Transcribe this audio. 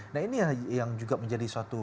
nah ini yang juga menjadi suatu